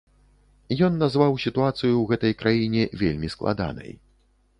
Ён назваў сітуацыю ў гэтай краіне вельмі складанай.